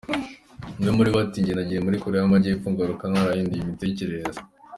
Umwe muri bo ati “njye nagiye muri Koreya y’Amajyepfo ngaruka narahinduye imitekerereze.